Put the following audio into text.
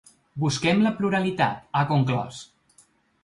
“Busquem la pluralitat”, ha conclòs.